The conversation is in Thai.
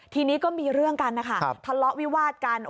ทีนี้ก็มีเรื่องกันนะคะทะเลาะวิวาดกัน